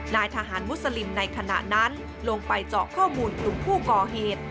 นายทหารมุสลิมในขณะนั้นลงไปเจาะข้อมูลกลุ่มผู้ก่อเหตุ